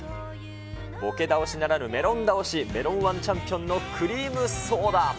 ボケ倒しならぬ、メロン倒し、メロンー１チャンピオンのクリームソーダ。